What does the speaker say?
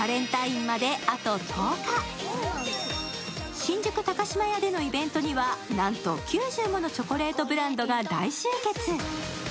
新宿高島屋でのイベントにはなんと９０ものチョコレートブランドが大集結。